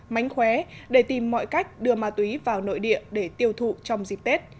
mánh khóe để tìm mọi cách đưa ma túy vào nội địa để tiêu thụ trong dịp tết